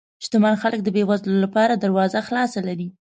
شتمن خلک د بې وزلو لپاره دروازه خلاصه لري.